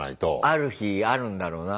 ある日あるんだろうな。